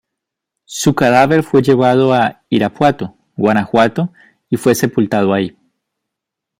Su cadáver fue llevado a Irapuato, Guanajuato y fue sepultado ahí.